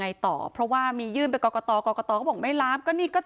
ต่อเพราะว่ามียื่นไปกรกตกรกตก็บอกไม่รับก็นี่ก็